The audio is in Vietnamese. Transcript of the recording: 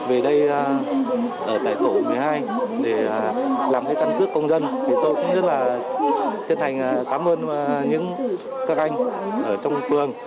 ở tại tổ một mươi hai để làm cái căn cước công dân tôi cũng rất là chân thành cảm ơn các anh ở trong phường